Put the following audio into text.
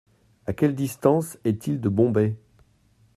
À quelle distance est-il de Bombay ?